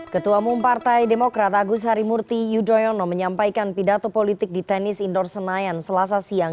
ketua mumpartai demokrat agus harimurti yudhoyono menyampaikan pidato politik di tenis indoor senayan selasa siang